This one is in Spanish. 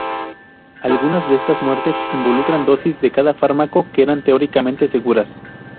Algunas de estas muertes involucran dosis de cada fármaco que eran teóricamente seguras.